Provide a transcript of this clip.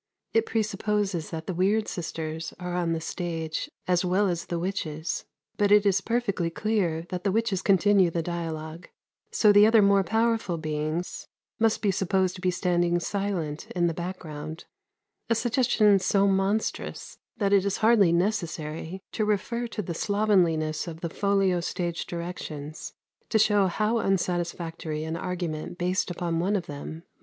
It presupposes that the "weird sisters" are on the stage as well as the witches. But it is perfectly clear that the witches continue the dialogue; so the other more powerful beings must be supposed to be standing silent in the background a suggestion so monstrous that it is hardly necessary to refer to the slovenliness of the folio stage directions to show how unsatisfactory an argument based upon one of them must be.